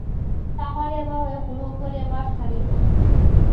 大花裂瓜为葫芦科裂瓜属下的一个种。